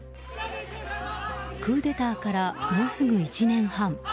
クーデターからもうすぐ１年半。